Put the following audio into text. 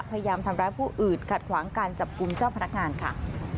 พยายามทำร้ายผู้อื่นขัดขวางการจับกลุ่มเจ้าพนักงานค่ะ